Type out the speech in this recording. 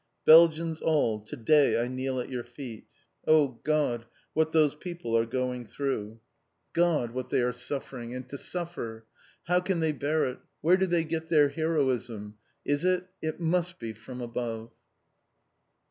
Belgians all, to day I kneel at your feet. Oh God, what those people are going through! God, what they are suffering and to suffer! How can they bear it? Where do they get their heroism? Is it it must be from Above!